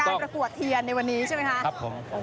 ประกวดเทียนในวันนี้ใช่ไหมคะ